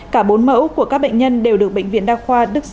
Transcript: cả bốn mẫu của các bệnh nhân đều được bệnh viện đọc